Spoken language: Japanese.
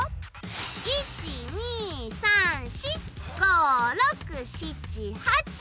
１・２・３・４５・６・７・８！